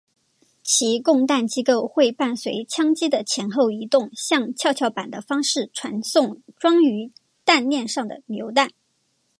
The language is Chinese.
其供弹机构会伴随枪机的前后移动像跷跷板的方式传送装于弹链上的榴弹。